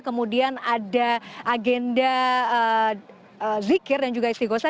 kemudian ada agenda zikir dan juga istiqosah